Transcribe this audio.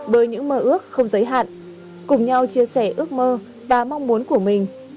với những mơ ước không giới hạn cùng nhau chia sẻ ước mơ và mong muốn của mình